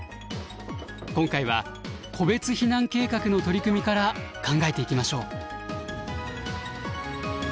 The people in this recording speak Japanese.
今回は個別避難計画の取り組みから考えていきましょう。